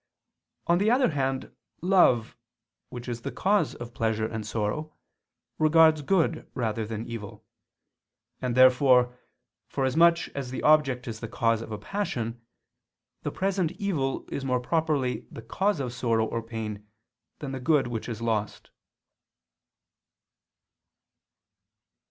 On the other hand love, which is the cause of pleasure and sorrow, regards good rather than evil: and therefore, forasmuch as the object is the cause of a passion, the present evil is more properly the cause of sorrow or pain, than the good which is lost.